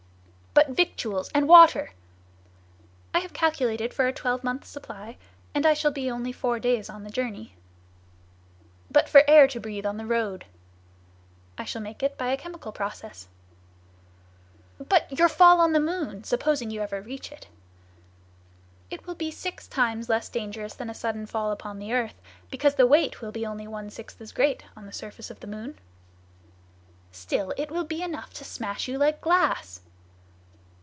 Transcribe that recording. "But victuals and water?" "I have calculated for a twelvemonth's supply, and I shall be only four days on the journey." "But for air to breathe on the road?" "I shall make it by a chemical process." "But your fall on the moon, supposing you ever reach it?" "It will be six times less dangerous than a sudden fall upon the earth, because the weight will be only one sixth as great on the surface of the moon." "Still it will be enough to smash you like glass!"